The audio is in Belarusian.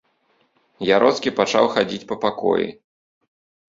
Яроцкі пачаў хадзіць па пакоі.